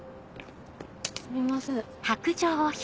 すみません。